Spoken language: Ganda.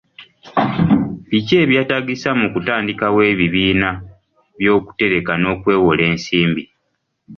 Biki ebyetaagisa mu kutandikawo ebibiina by'okutereka n'okwewola ensimbi?